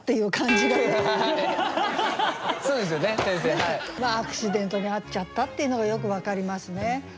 そう本当にねアクシデントに遭っちゃったっていうのがよく分かりますね。